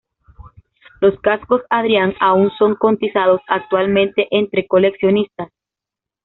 Los cascos Adrian aún son cotizados actualmente entre coleccionistas.